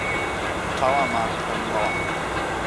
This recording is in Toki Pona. o tawa ma pi pali wawa.